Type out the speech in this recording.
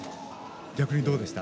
逆にどうでした？